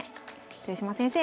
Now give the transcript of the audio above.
豊島先生